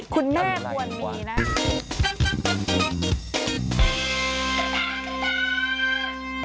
คุณแม่ควรมีนะ